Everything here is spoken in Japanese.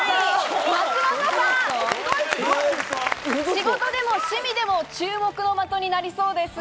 仕事でも趣味でも注目の的になりそうです。